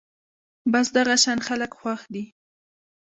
بس دغه شان خلک خوښ دي